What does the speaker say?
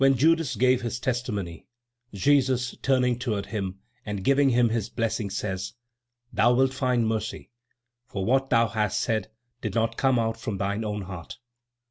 When Judas gave his testimony, Jesus, turning toward him, and giving him his blessing, says: "Thou wilt find mercy, for what thou has said did not come out from thine own heart!"